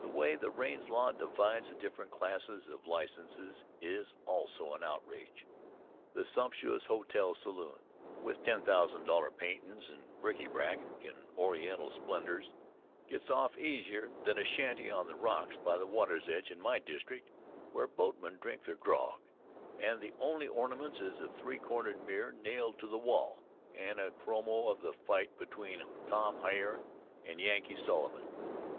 The way the Raines law divides the different classes of licenses is also an outrage. The sumptuous hotel saloons, with $10,000 paintin's and bricky brac and Oriental splendors gets off easier than a shanty on the rocks, by the water's edge in my district where boatmen drink their grog, and the only ornaments is a three cornered mirror nailed to the wall, and a chromo of the fight between Tom Hyer and Yankee Sullivan.